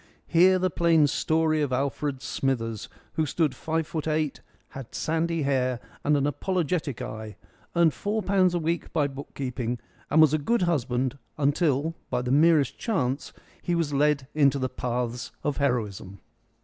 Hear the plain story of Alfred Smithers, who stood five foot eight, had sandy hair and an apologetic eye, earned four pounds a week by book keeping, and was a good husband until by the merest chance he was led into the paths of heroism.